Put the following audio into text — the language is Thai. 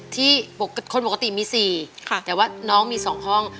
ที่คนปกติมี๔แต่ว่าน้องมี๒ห้อง